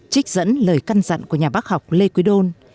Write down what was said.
trích dẫn lời căn dặn của nhà bác học lê quý đôn